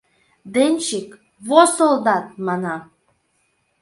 Денщик, во солдат, манам!